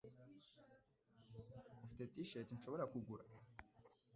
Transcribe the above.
Ufite T-shirt nshobora kugura?